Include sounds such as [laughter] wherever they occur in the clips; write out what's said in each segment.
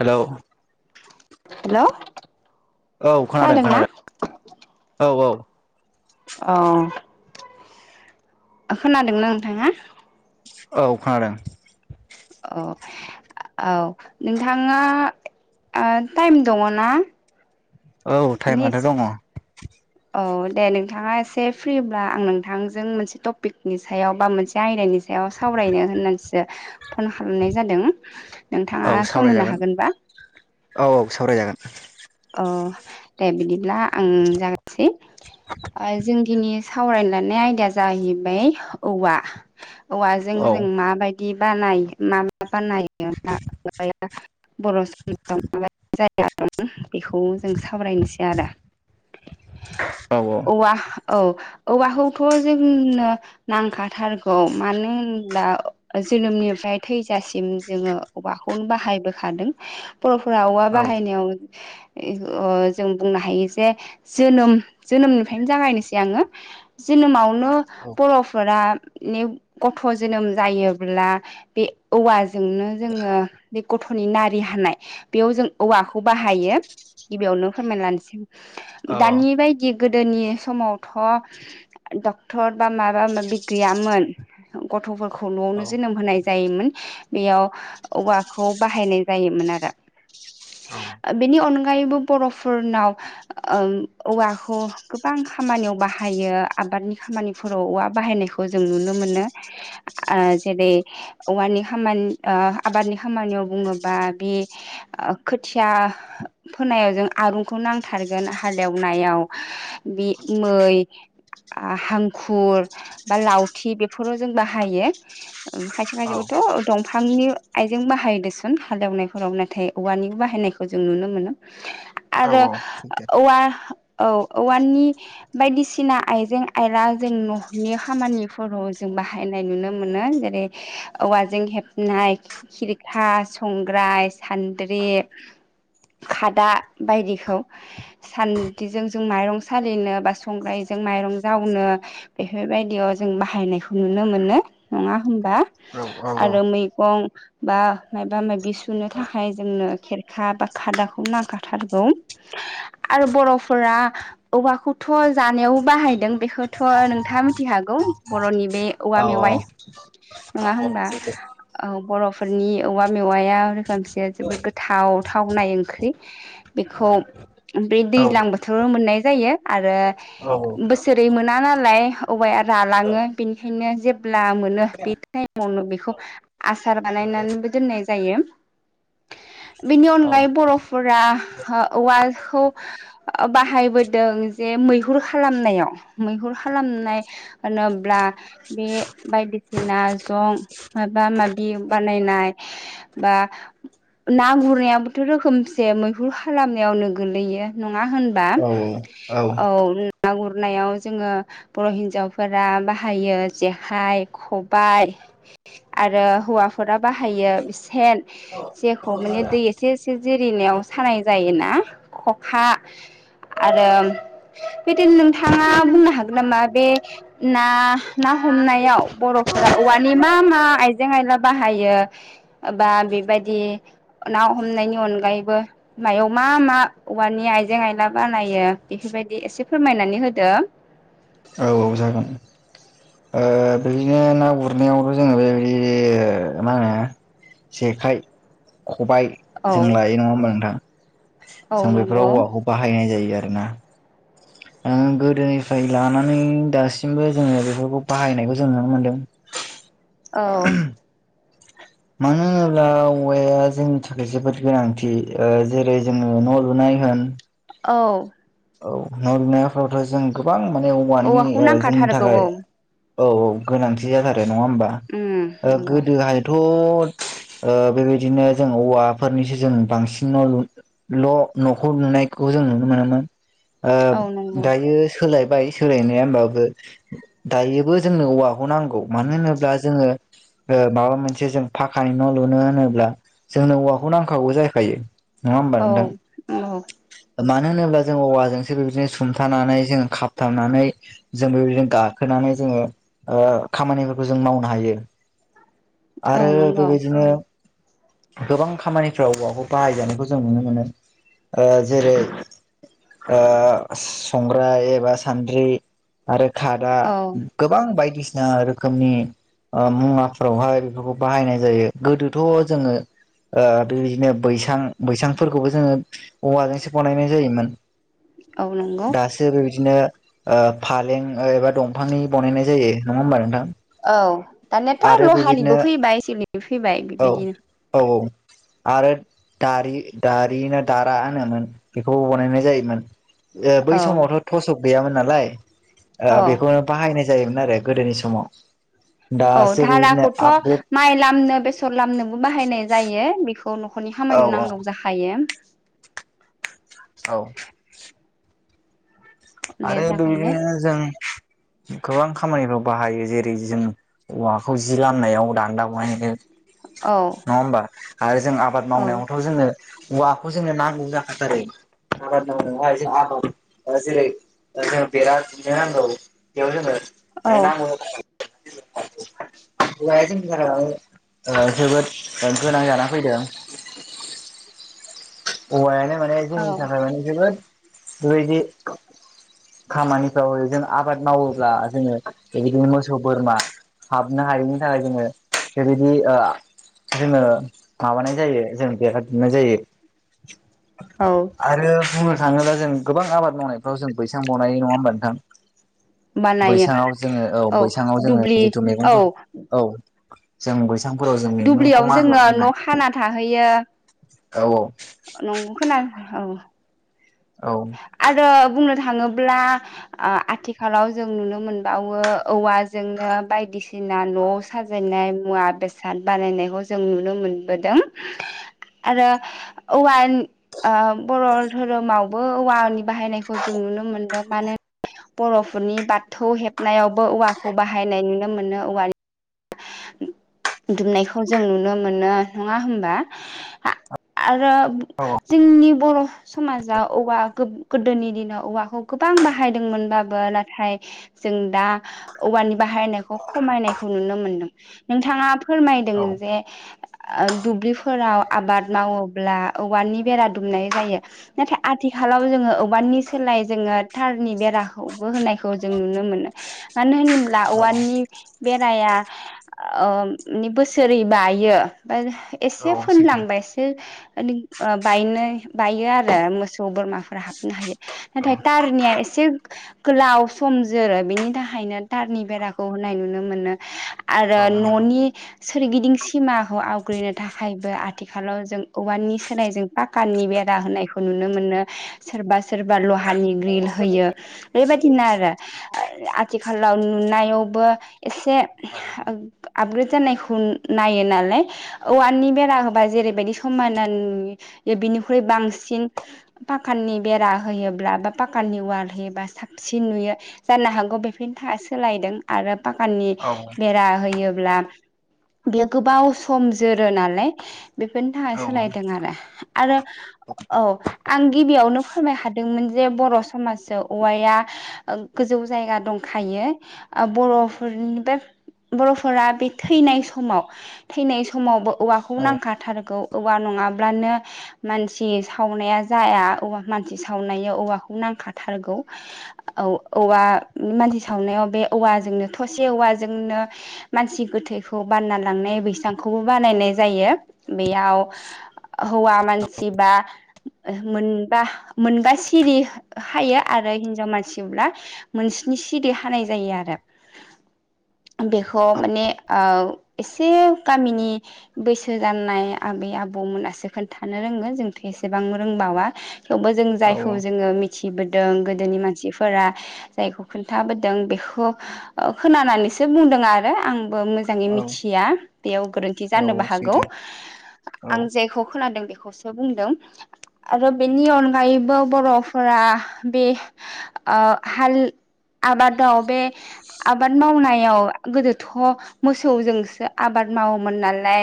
Hello hello औ खोनादों खोनादोंना खोनादों औ औ औ खोनादोंना नोंथाङा औ खोनादों अ औ नोंथाङा ओ टाइम दङना औ टाइमाथ' दङ औ दे नोंथाङा एसे फ्रिब्ला आं नोंथांजों मोनसे टपिकनि सायाव बा मोनसे आयदानि सायाव सावरायनो होननानैसो फन खालामनाय जादों औ नोंथाङा सम होनो सावरायजागोन हागोनबा? औ सावरायजागोन अ दे बिदिब्ला आंनो जागायनोसै ओ जों नि सावरायननो लायनाय आयदाया जाहैबाय औवा औवाजों औ जों माबाय दि बानाय मा मा बानाय माबा [unintelligible] [unintelligible] जाया बेखौ जों सावरायनोसै आरो औ औवा औ औवाखौथ' जोंनो नांखाथारगौ मानो होनब्ला जोनोमनिफ्राय थैजासिम जोङो औवाखौनो बाहायबोखादों बर'फोरा औवा औ बाहायनायाव जों बुंनो हायो जे जोनोम जोनोमनिफ्रायनो जागायनोसै आङो जोनोमावनो बर'फोरा ने गथ' जोनोम जायोब्ला बे औवाजोंनो जोङो बे गथ'नि नारि हानाय बेयाव जों औवाखौ बाहायो गिबियावनो फोरमाय लांनोसै औ आं औ दानि बायदि गोदोनि समावथ' डक्टर बा माबा माबि गैयामोन गथ'फोरखौ न'वावनो जोनोम होनाय जायोमोन बेयाव औवाखौ बाहायनाय जायोमोन आरो औ बेनि अनगायैबो बर'फोरनाव ओं औवाखौ गोबां खामानियाव बाहायो आबादनि खामानि फोराव औवा बाहायनायखौ जों नुनो मोनो ओ जेरै औवानि खामानि ओ आबादनि खामानियाव बुङोबा बि ओ खोथिया फोनायाव जों आरुनखौ नांथारगोन हाल एवनायाव बि मै हांखुर बा लावथि बेफोराव जों बाहायो उम खायसे खायसेखौथ' दंफांनि आइजें बाहायो देसुन हाल एवनायफोराव नाथाय औवानिबो बाहायनायखौ जों नुनो मोनो। आरो औवा औ औवानि बायदिसिना आइजें आयला जों न'नि खामानिफोराव जों बाहायनाय नुनो मोनो जेरै औवाजों हेबनाय खिरखा संग्राय सान्द्रि खादा बायदिखौ सान्द्रिजों जों माइरं सालिनो बा संग्रायजों माइरं जावनो बेफोरबायदियाव जों बाहायनायखौ नुनो मोनो नङा होमबा औ सैथो औ औ आरो औ मैगं बा मायबा मायबि सुनो थाखाय जोंनो खेरखा बा खादाखौ नागाराथारगौ आरो बर'फोरा औवाखौथ' जानायाव बाहायदों बेखौथ' नोंथाङा मिथि खागौ बर'नि बे औवा औ औ मेवाइ नंङा होमबा बर'फोरनि औवा मेवाइया रोखोमसे जोबोद गोथाव था थावनाय ओंख्रि बेखौ बे दैज्लां बोथोराव मोननाय जायो आरो बोसोरै मोना नालाय औवाया रालाङो बेनिखायनो जेब्ला मोनो बे टाइमावनो बेखौ आसार बानायनानैबो दोननाय जायो बेनि अनगायै बर'फोरा औवाखौ ओ बाहायबोदों जे मैहुर खालामनायाव मैहुर खालामनाय होनब्ला बे बायदिसिना जं माबा माबि बानायनाय बा ना गुरनाया थ' रोखोमसे मैहुर खालामनायावनो गोलैयो नंङा होनबा औ ना गुरनायाव जोंङो बर' हिन्जावफोरा बाहायो जेखाइ खबाइ आरो हौवाफोरा बाहायो सेन जेखौ माने दै एसे एसे जिरिनायाव सानाय जायोना खखा आरो बेदि नोंथांङा बुंनो हागोन नामा बे ना ना हमनायाव बर'फोरा औवानि मा मा आइजें आइला बाहायो एबा बेबायदि ना हमनायनि अनगायैबो मायाव मा मा औवानि आइजें आइला बानायो बेफोरबायदि एसे फोरमायनानै होदो औ औ जागोन बिदिनो ना गुरनायावथ' जोंङो बेबायदि मा होनो जेखाइ खबाय औ जों लायो नंङा होमबा नोंथां औ जों नंगौ बेफोराव औवाखौ बाहायनाय जायो आरो ना [inaudible] गोदोनिफ्राय लानानै दासिमबो जोङो बेफोरखौ बाहायनायखौ जों नुनो मोनदों। औ मानो होनोब्ला औवाया जोंनि थाखाय जोबोद गोनांथि जेरै जोंङो न' लुनाय होन औ औ न' बिनायफोरावथ' जों गोबां माने औवानि औवाखौ जोंनि नांखाथारगौ थाखाय औ औ औ गोनांथि जाथारो नंङा होमबा उम नंगौ गोदोहाय थ' बेबायदिनो जों औवाफोरनिसो जों बांसिन न' लु न' न'खौ लुनायखौ जों नुनो मोनोमोन औ नंगौ दायो सोलायबाय सोलायनाया होमबाबो दायोबो जोंनो औवाखौ नांगौ मानो होनोब्ला जोंङो माबा मोनसे जों फाखानि न' लुनो होनोब्ला जोंनो औवाखौ नांखागौ जाखायो नङा होमबा औ नोंथां औ मानो होनोब्ला जों औवाजोंसो बे बिदिनो सुमथानानै जों खाबथाबनानै जों बेबायदिनो गाखोनानै जोंङो ओ खामानिफोरखौ जों मावनो हायो। औ आरो नंगौ बेबायदिनो गोबां खामानिफ्राव औवाखौ बाहायजानायखौ जों नुनो मोनो। ओ जेरै ओ संग्राय एबा सान्द्रि आरो खादा औ गोबां बायदिसिना रोखोमनि मुवाफोरावहाय बेफोरखौ बाहायनाय जायो गोदोथ' जोंङो ओ बेबायदिनो बैसां बैसांफोरखौबो जोंङो औवाजोंसो बानायनाय जायोमोन औ नंगौ दासो बेबायदिनो ओ फालें एबा दंफांनि बानायनाय जायो नंङा होमबा नोंथां औ दानियाथ' आरो बेबायदिनो लहानिबो फैबाय सिलिबो फैबाय औ बेबायदिनो औ औ आरो दारि दारिना दारा फोमोन बेखौबो बनायनाय जायोमोन बै औ समावथ' थसक गैयामोन नालाय औ बेखौनो बाहायनाय जायोमोन आरो गोदोनि समाव औ दासो बेबायदिनो धाराखौथ' आपग्रेड माइ लामनो बेसर लामनोबो बाहायनाय जायो बेखौ न'खरनि औ खामानिनो नांगौ औ जाखायो औ दे आरो जाखायनो बेबायदिनो जों गोबां खामानिफ्राव बाहायो जेरै जों औवाखौ जि लामनायाव दान्दा बहायनो औ नङा होमबा आरो जों आबाद औ मावनायावथ' जोङो औवाखौ जोंनो नांगौ जाखाथारो आबादाय जों आबाद जेरै जोंनो बेरा दुमनो नांगौ औ बेयाव जोङो [inaudible] औवाया जोंनि थाखाय जोबोद गोनां जाना फैदों औवायानो माने जोंनि थाखाय औ माने जोबोद बेबायदि खामानिफ्राव जों आबाद मावोब्ला जोङो बिदिनो मोसौ बोरमा हाबनो हायैनि थाखाय जोङो बेबायदि जोङो माबानाय जायो जों बेरा दुमनाय जायो औ आरो बुंनो थाङोब्ला जों गोबां आबाद मावनायफ्राव जों बैसां बनायो नङा होमबा नोंथां बानायो बैसाङाव जोङो औ बैसाङाव जोङो जिथु औ मैगंफोर औ जों बै सांफोराव जों दुब्लियाव मैगंखौ मानला जोङो न' होनाय खाना थाहैयो औ औ नंगौ खोना औ औ आरो बुंनो थाङोब्ला आथिखालाव जों नुनो मोनबावो औवाजोंनो बायदिसिना न' साजायनाय मुवा बेसाद बानायनायखौ जों नुनो मोनबोदों आरो औवा बर' दोरोमावबो औवानि बाहायनायखौ जों नुनो मोनदों मानोना बर'फोरनि बाथौ हेबनायावबो औवाखौ बाहायनाय नुनो मोनो औवानि दुमनायखौ जों नुनो मोनो नङा होमबा आ आरो जोंनि बर' समाजाव औवा गोदोनि दिनाव औवाखौ गोबां बाहायदोंमोनबाबो नाथाय जों दा औवानि बाहायनायखौ खमायनायखौ नुनो मोनदों नोंथाङा फोरमायदों औ जे दुब्लिफोराव आबाद मावोब्ला औवानि बेरा दुमनाय जायो नाथाय आथिखालाव जोङो औवाननि सोलाय जोङो थारनि बेराखौबो होनायखौ जों नुनो मोनो मानो होनोब्ला औवानि बेराया माने बोसोरै बायो फ्राय औ एसे सैथो फोनलांबाय बायनो बायो आरो मोसौ बोरमाफोरा हाबनो हायो औ नाथाय तारनिया एसे गोलाव सम जोरो बिनि थाखायनो तारनि बेराखौ होनाय नुनो मोनो आरो औ नंगौ न'नि सोरगिदिं सिमाखौ आवग्रिनो थाखायबो आथिखालाव जों औवानि सोलायजों फाकाननि बेरा होनायखौ नुनो मोनो सोरबा सोरबा लहानि ग्रिल होयो बेबायदिनो आरो आथिखालाव नुनायावबो एसे औ आपग्रेड जानायखौ नायो नालाय औवाननि बेरा होबा जेरैबायदि समायना बिनिख्रुइ बांसिन पाकानि बेरा होयोब्ला बा पाकानि अवाल होयोबा साबसिन नुयो जानो हागौ बेफोरनि थाखाय सोलायदों आरो फाखानि औ बेरा होयोब्ला बेयो गोबाव सम जोरो नालाय बेफोरनि थाखाय सोलायदों आरो आरो औ आं गिबियावनो फोरमाय खादोंमोन जे बर' समाजाव औवाया ओं गोजौ जायगा दंखायो ओ बर'फोरनि बे बर'फोरा बे थैनाय समाव थैनाय समावबो औवाखौ नांखाथारगौ औवा नङाब्लानो मानसि सावनाया जाया औवा मानसि सावनायाव औवाखौ नांखाथारगौ। औ औवा मानसि सावनायाव बे औवाजोंनो थसे औवाजोंनो मानसि गोथैखौ बानना लांनाय बैसांखौबो बानायनाय जायो बेयाव हौवा मानसि बा मोनबा मोनबा सिरि खायो आरो हिनजाव मानसिब्ला मोनस्नि सिरि खानाय जायो आरो। बेखौ माने औ एसे गामिनि बैसो जानाय आबै आबौमोनासो खोनथानो रोङो जोंथ' एसेबां रोंबावा थेवबो जों औ जायखौ जोङो मिथिबोदों गोदोनि मानसिफोरा जायखौ खोन्थाबोदों बेखौ ओ खोनानानैसो बुंदों आरो आंबो मोजां मोजाङै औ मिथिया बेयाव गोरोन्थि जानोबो औ हागौ सैथो औ आं जेखौ खोनादों बेखौसो बुंदों आरो बेनि अनगायैबो बर'फोरा बे ओ हाल आबादाव बे आबाद मावनाय याव गोदोथ' मोसौजोंसो आबाद मावोमोन नालाय।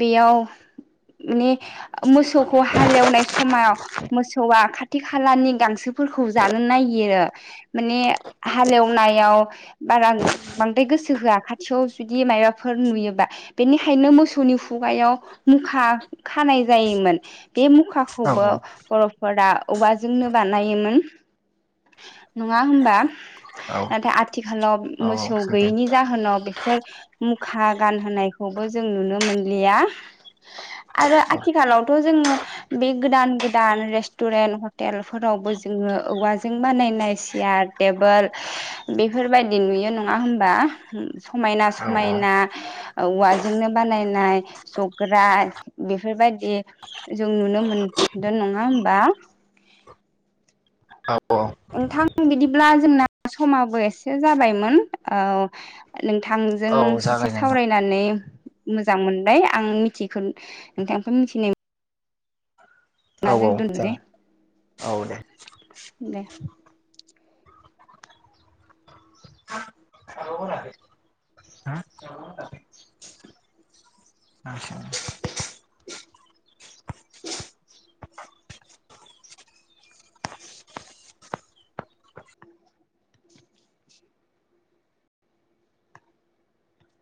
बेयाव माने मोसौखौ हाल एवनाय समायाव मोसौआ खाथि खालानि गांसोफोरखौ जानो नागिरो। माने हाल एवनायाव बारा बांद्राय गोसो होया खाथियाव जुदि मायबाफोर नुयोबा बेनिखायनो मोसौनि खुगायाव मुखा खानाय जायोमोन बे मुखा औ खौबो औ बर' फोरा औवाजोंनो बानायोमोन नङा होमबा? औ नाथाय आथिखालाव औ मोसौ सैथो गैयिनि जाहोनाव बेफोर मुखा गानहोनायखौबो जों नुनो मोनलिया आरो औ आथिखालावथ' जोङो बे गोदान गोदान रेस्टुरेन्ट हटेलफोरावबो जोङो औवाजों बानायनाय सियार टेबोल बेफोरबायदि नुयो नङा होनबा समायना औ औ समायना औवाजोंनो बानायनाय जग्रा बेफोरबायदि जों नुनो मोनदो नङा होमबा? औ औ नोंथां बिदिब्ला जोंना समाबो एसे जाबायमोन औ नोंथां जों औ एसे जागाय नोंथां सावरायनानै मोजां मोनबाय आं मिथियिखो नोंथांनिफ्राय मिथिनाय औ बिदिब्ला जों औ दोन्थ'नोसै जागोन दे औ दे